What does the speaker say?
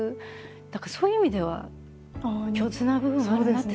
だからそういう意味では共通な部分があるなって。